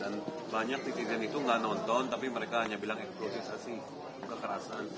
dan banyak titik titik itu nggak nonton tapi mereka hanya bilang eksklusif kekerasan